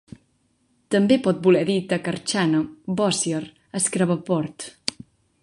També pot voler dir Texarkana, Bossier, Shreveport.